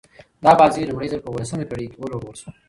دا بازي لومړی ځل په اوولسمه پېړۍ کښي ولوبول سوه.